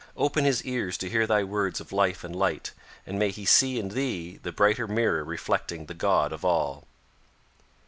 Open his ears to hear thy words of life and light, and may he see in thee the brighter mirror reflecting the God of all."